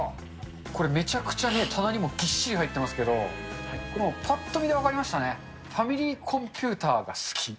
これ、めちゃくちゃね、棚にもぎっしり入ってますけど、ぱっと見で分かりましたね、ファミリーコンピューターが好き。